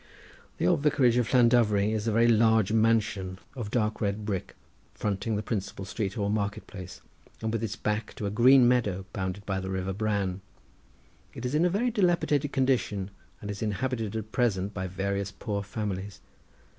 The old vicarage of Llandovery is a very large mansion of dark red brick, fronting the principal street or market place, and with its back to a green meadow bounded by the river Bran. It is in a very dilapidated condition, and is inhabited at present by various poor families.